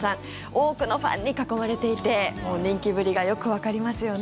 多くのファンに囲まれていて人気ぶりがよくわかりますよね。